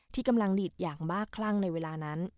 ที่กำลังดีดอย่างบ้าคลั่งในเวลานั้น